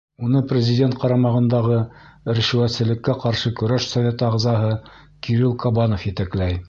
Уны Президент ҡарамағындағы ришүәтселеккә ҡаршы көрәш советы ағзаһы Кирилл Кабанов етәкләй.